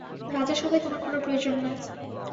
রাজাসভায় তোমার কোনো প্রয়োজন নাই।